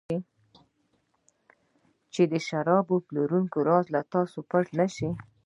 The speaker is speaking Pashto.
چې د شراب پلورونکي راز له تاسو پټ نه شي.